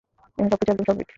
এখানে সবকিছু একদম স্বাভাবিক।